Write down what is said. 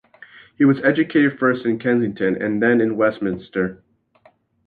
He was educated first in Kensington and then in Westminster.